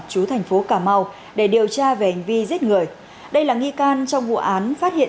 chú thành phố cà mau để điều tra về hành vi giết người đây là nghi can trong vụ án phát hiện